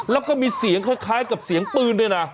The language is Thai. แล้วก็มีเสียงคล้ายกับเสียงปืนด้วยนะ